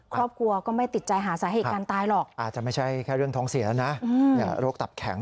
ครอบครัวก็ไม่ติดใจหาสาเหตุการณ์ตายหรอกอาจจะไม่ใช่แค่เรื่องท้องเสียนะโรคตับแข็ง